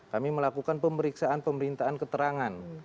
kami melakukan pemeriksaan pemerintahan keterangan